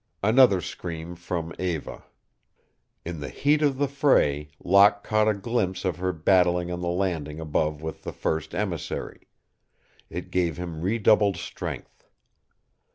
Another scream from Eva. In the heat of the fray Locke caught a glimpse of her battling on the landing above with the first emissary. It gave him redoubled strength.